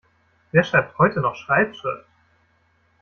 Wer schreibt heute noch Schreibschrift?